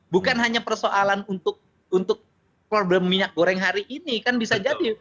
bukan hanya persoalan untuk problem minyak goreng hari ini kan bisa jadi